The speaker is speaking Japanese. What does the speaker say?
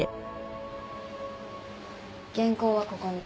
原稿はここに。